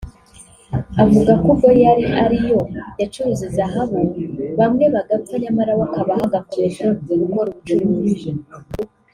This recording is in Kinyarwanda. Avuga ko ubwo yari ariyo yacuruje zahabu bamwe bagapfa nyamara we akabaho agakomeza gukora ubucuruzi